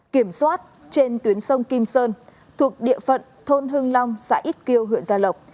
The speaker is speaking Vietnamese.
kiểm soát trên tuyến sông kim sơn thuộc địa phận thôn hưng long xã ít kiêu huyện gia lộc